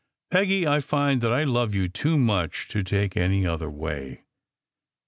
Peggy, I find that I love you too much to take any other way.